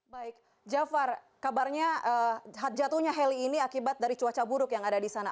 baik jafar kabarnya jatuhnya heli ini akibat dari cuaca buruk yang ada di sana